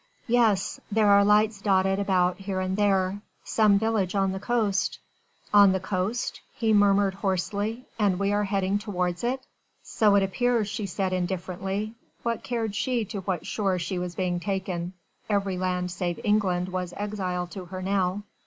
"Yes. There are lights dotted about here and there. Some village on the coast." "On the coast?" he murmured hoarsely, "and we are heading towards it." "So it appears," she said indifferently. What cared she to what shore she was being taken: every land save England was exile to her now.